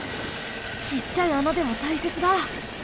ちっちゃい穴でもたいせつだ！